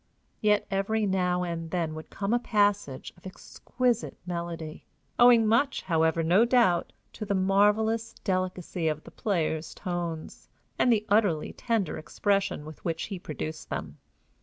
Yet every now and then would come a passage of exquisite melody, owing much, however, no doubt, to the marvelous delicacy of the player's tones, and the utterly tender expression with which he produced them.